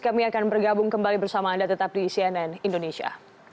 kami akan bergabung kembali bersama anda tetap di cnn indonesia